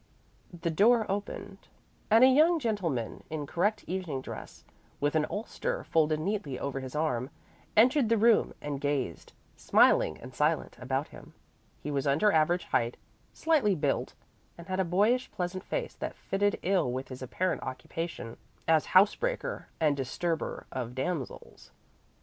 The door opened and a young gentleman in correct evening dress, with an ulster folded neatly over his arm, entered the room and gazed, smiling and silent, about him. He was under average height, slightly built, and had a boyish, pleasant face that fitted ill with his apparent occupation as house breaker and disturber of damsels.